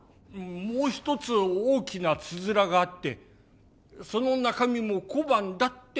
「もう一つ大きなつづらがあってその中身も小判だ」って話しました。